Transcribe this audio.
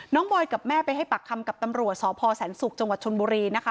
น้องบอยกับแม่ไปให้ปากคำกับตำรวจสศศัลศุกร์จชลบุรีนะคะ